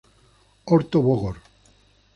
Horto Bogor.